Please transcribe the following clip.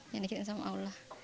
yang dikirim sama allah